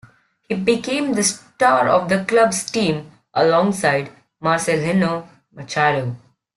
He became the star of the club's team alongside Marcelinho Machado.